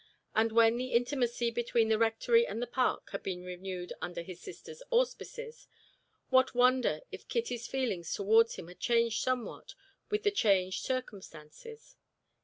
And when the intimacy between the Rectory and the Park had been renewed under his sister's auspices, what wonder if Kitty's feelings towards him changed somewhat with the changed circumstances?